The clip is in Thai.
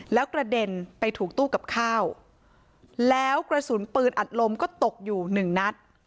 แล้วกระเด็นไปถูกตู้กับข้าวแล้วกระสุนปืนอัดลมก็ตกอยู่หนึ่งนัด